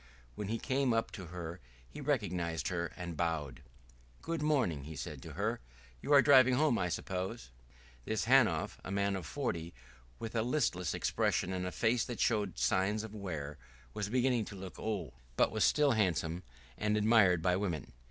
When he came up to her he recognized her and bowed. "Good morning," he said to her. "You are driving home, I suppose." This Hanov, a man of forty with a listless expression and a face that showed signs of wear, was beginning to look old, but was still handsome and admired by women.